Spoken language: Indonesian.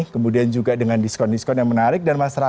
kemudian juga dengan diskon diskon yang menarik